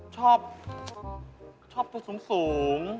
ชอบชอบตัวสูง